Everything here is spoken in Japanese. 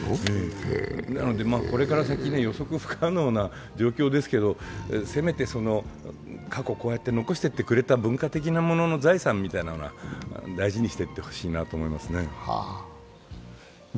なので、これから先、予測不可能な状況ですけどせめて過去こうやって残してくれた文化的なものの財産は大事にしていってほしいなと思いますね。